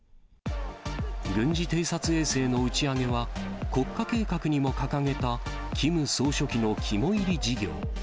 軍事偵察衛星の打ち上げは、国家計画にも掲げたキム総書記の肝煎り事業。